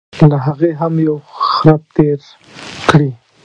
له هغې هم یو خرپ تېر کړي.